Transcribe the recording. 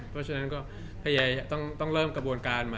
เพราะฉะนั้นก็ต้องเริ่มกระบวนการมา